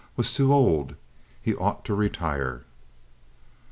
was too old. He ought to retire.